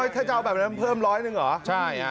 ถ้าจะเอาแบบนั้นเพิ่มร้อยหนึ่งเหรอ